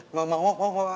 iya mau mau mau pak